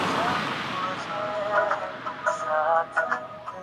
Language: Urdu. دور جدید میں اس کے لیے" اثرورسوخ کا لفظ بھی مستعمل ہے۔